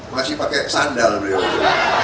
masih pakai sandal beliau